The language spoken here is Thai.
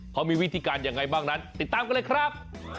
เขามีวิธีการยังไงบ้างนั้นติดตามกันเลยครับ